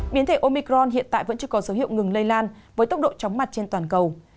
biến thể omicron hiện tại vẫn chưa có dấu hiệu ngừng lây lan với tốc độ chóng mặt trên toàn cầu